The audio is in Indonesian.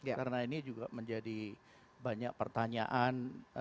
karena ini juga menjadi banyak pertanyaan